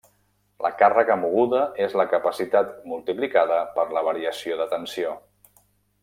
La càrrega moguda és la capacitat multiplicada per la variació de tensió.